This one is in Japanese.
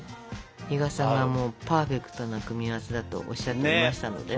比嘉さんがもうパーフェクトな組み合わせだとおっしゃっていましたのでね。